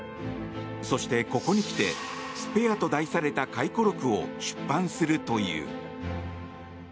そして、ここにきて「スペア」と題された回顧録を出版するという。